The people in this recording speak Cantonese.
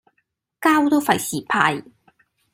膠都費事派